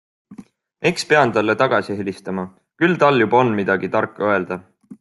Eks pean talle tagasi helistama, küll tal juba on midagi tarka öelda.